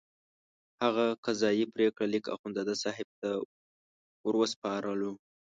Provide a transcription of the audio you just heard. هغه قضایي پرېکړه لیک اخندزاده صاحب ته وروسپارلو.